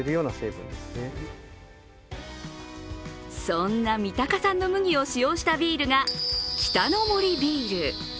そんな三鷹産の麦を使用したビールが北野の杜ビール。